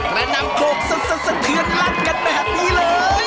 ระนำโขกสดสะเทือนลัดกันแบบนี้เลย